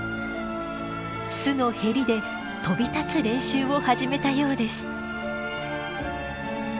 巣のへりで飛び立つ練習を始めたようです。